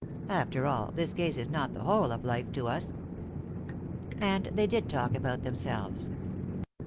After all, this case is not the whole of life to us." And they did talk about themselves.